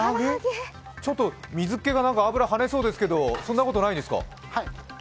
ちょっと水っけが油、はねそうですけど、そんなことないですか。